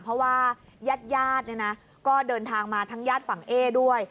เพราะว่าญาติเนี่ยนะก็เดินทางมาทั้งญาติฝั่งเอ๊ด้วย